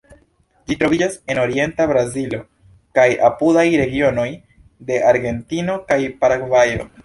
Ĝi troviĝas en orienta Brazilo kaj apudaj regionoj de Argentino kaj Paragvajo.